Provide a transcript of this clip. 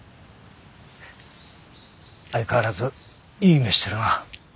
相変わらずいい目してるな。